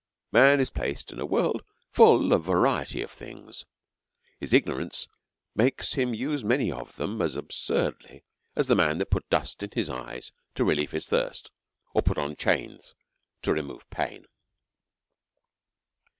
Man is placed in a world full of variety of things ; his ignorance makes him use many of them as absurd ly as the man that put dust in his eyes to relieve his thirst, or put on chains to remove pain.